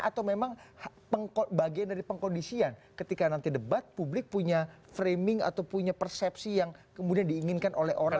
atau memang bagian dari pengkondisian ketika nanti debat publik punya framing atau punya persepsi yang kemudian diinginkan oleh orang